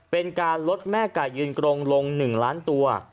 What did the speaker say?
เป็นการลดแม่ไก่ยืนกรงลง๑ล้านตัว